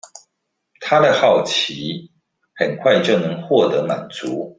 他的好奇很快就能獲得滿足